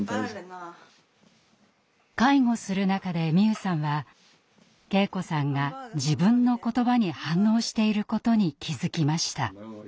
介護する中で美夢さんは圭子さんが自分の言葉に反応していることに気付きました。